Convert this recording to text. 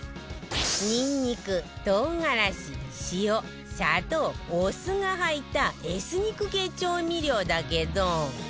ニンニク唐辛子塩砂糖お酢が入ったエスニック系調味料だけど